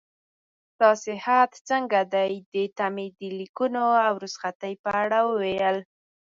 ستا صحت څنګه دی؟ دې ته مې د لیکونو او رخصتۍ په اړه وویل.